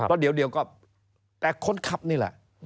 แล้วเดี๋ยวก็แต่คนขับนี่แหละ